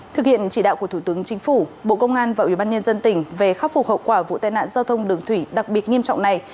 thực hiện chỉ đạo của thủ tướng chính phủ bộ công an và ủy ban nhân dân tỉnh về khắc phục hậu quả vụ tai nạn giao thông đường thủy đặc biệt nghiêm trọng này